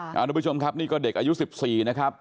ครับคุณผู้ชมก็เด็กอายุสิบสี่นะครับ